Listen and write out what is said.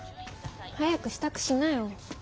早く支度しなよ。